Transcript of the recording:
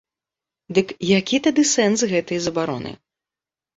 Дык які тады сэнс гэтай забароны?